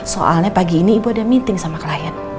soalnya pagi ini ibu ada meeting sama klien